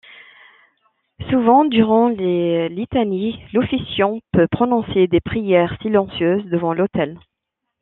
Souvent, durant les litanies, l'officiant peut prononcer des prières silencieuses devant l'autel.